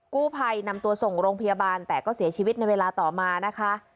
กู้ภัยนำตัวส่งโรงพยาบาลแต่ก็เสียชีวิตในเวลาต่อมานะคะ